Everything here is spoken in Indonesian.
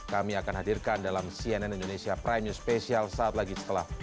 kami akan hadirkan dalam cnn indonesia prime news special saat lagi setelah